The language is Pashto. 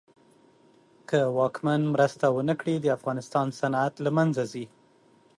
که واکمن مرسته ونه کړي د افغانستان صنعت له منځ ځي.